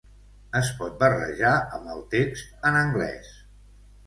Es pot barrejar amb el text en anglès.